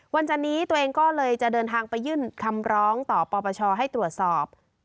จันนี้ตัวเองก็เลยจะเดินทางไปยื่นคำร้องต่อปปชให้ตรวจสอบ